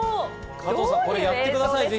加藤さん、ぜひこれ家でやってください。